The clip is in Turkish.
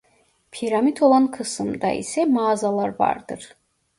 Piramit olan kısımda ise mağazalar vardır.